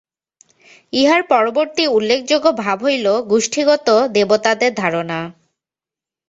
ইহার পরবর্তী উল্লেখযোগ্য ভাব হইল গোষ্ঠীগত দেবতাদের ধারণা।